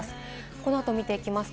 この後を見ていきます。